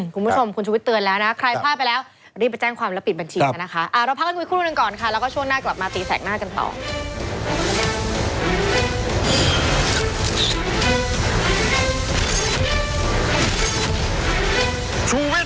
คุณผู้ชมคุณชุวิตเตือนแล้วนะ